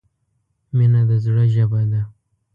• مینه د زړۀ ژبه ده.